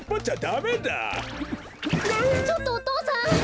ちょっとお父さん。